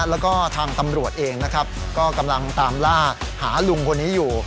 แล้วก็ทางตำรวจเองนะครับก็กำลังตามล่าหาลุงคนนี้อยู่